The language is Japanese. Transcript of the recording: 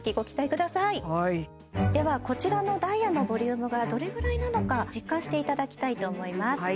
はいではこちらのダイヤのボリュームがどれぐらいなのか実感していただきたいと思います